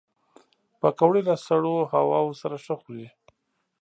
پکورې له سړو هواوو سره ښه خوري